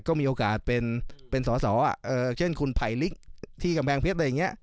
ก็มีโอกาสเป็นเป็นสอบสอบเช่นคุณไผลริกที่กำแพงเพศ